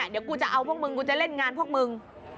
เดี๋ยวกูจะเอาพวกมึงกูจะเล่นงานพวกมึง